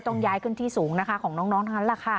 ต้องย้ายขึ้นที่สูงนะคะของน้องทั้งนั้นแหละค่ะ